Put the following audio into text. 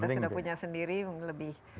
kalau kita sudah punya sendiri lebih